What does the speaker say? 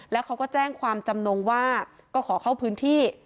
แล้วเขาก็แจ้งความจำนงว่าก็ขอเข้าพื้นที่